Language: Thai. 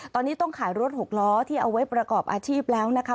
ตอนนี้ต้องขายรถหกล้อที่เอาไว้ประกอบอาชีพแล้วนะคะ